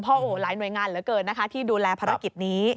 เพราะหลายหน่วยงานเหลือเกินที่ดูแลภารกิจนี้